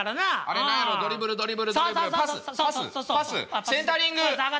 あれなドリブルドリブルドリブルパスパスパスセンタリングシュート！